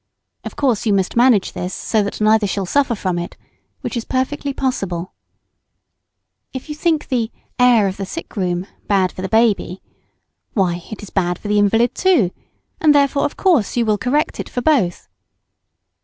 Of course you must manage this so that neither shall suffer from it, which is perfectly possible. If you think the "air of the sick room" bad for the baby, why it is bad for the invalid too, and, therefore, you will of course correct it for both.